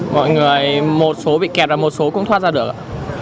mọi người một số bị kẹt rồi một số cũng thoát ra được ạ